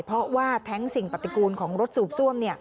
เพราะว่าแท้งสิ่งปฏิกูลของรถสูบซ่วม